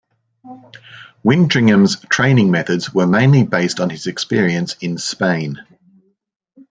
Wintringham's training methods were mainly based on his experience in Spain.